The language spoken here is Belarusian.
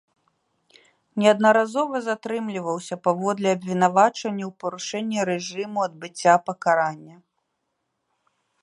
Неаднаразова затрымліваўся паводле абвінавачання ў парушэнні рэжыму адбыцця пакарання.